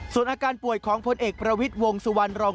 ส่วนอาการป่วยของพลเอกประวิทย์วงสุวรรณรอง